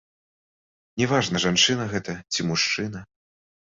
Не важна, жанчына гэта ці мужчына.